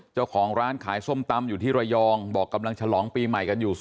เจ้าของร้านขายส้มตำอยู่ที่ระยองบอกกำลังฉลองปีใหม่กันอยู่